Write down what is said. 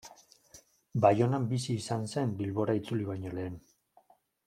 Baionan bizi izan zen, Bilbora itzuli baino lehen.